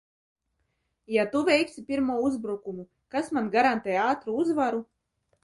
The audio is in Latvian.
Ja tu veiksi pirmo uzbrukumu, kas man garantē ātru uzvaru?